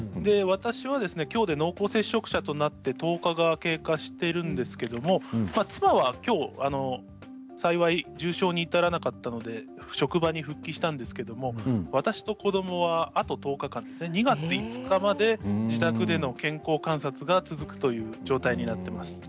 私はきょうで濃厚接触者となって１０日が経過しているんですけれど妻は幸い重症に至らなかったのできょう職場に復帰したんですけれど私と子どもはあと１０日間２月５日まで自宅での健康観察が続くという状態になっています。